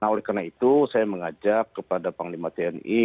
nah oleh karena itu saya mengajak kepada panglima tni